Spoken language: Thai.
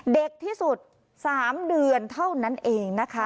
เด็กที่สุด๓เดือนเท่านั้นเองนะคะ